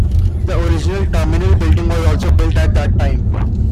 The original terminal building was also built at that time.